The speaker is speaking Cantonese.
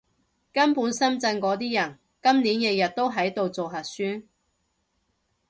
根本深圳嗰啲人，今年日日都喺度做核酸